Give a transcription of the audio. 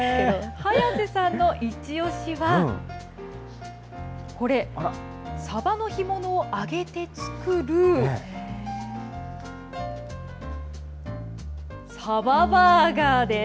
早瀬さんの一押しは、これ、サバの干物を揚げて作るサババーガーです。